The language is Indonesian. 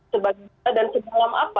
sebagai kita dan semalam apa